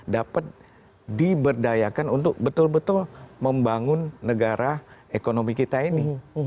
dapat diberdayakan untuk betul betul membangun negara ekonomi kita ini